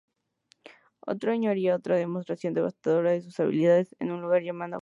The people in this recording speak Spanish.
Otro año haría otra demostración devastadora de sus habilidades en un lugar llamado Cannas.